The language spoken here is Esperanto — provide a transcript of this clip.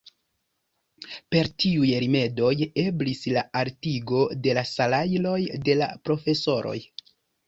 Per tiuj rimedoj eblis la altigo de la salajroj de la profesoroj.